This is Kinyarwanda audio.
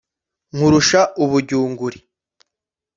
Nkurusha ubujyunguri